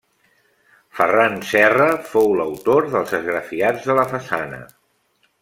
Ferran Serra fou l'autor dels esgrafiats de la façana.